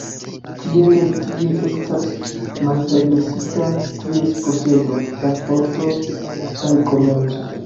Tiele tie estas malpermesita ties posedo, transporto kaj komerco.